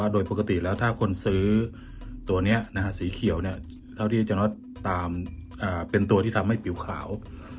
โดยปกติแล้วถ้าคนซื้อตัวนี้สีเขียวเป็นตัวที่ทำให้ผิวขาว